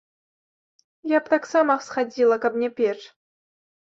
Я б таксама схадзіла, каб не печ.